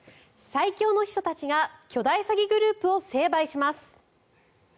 最強の秘書たちが巨大詐欺グループを成敗します。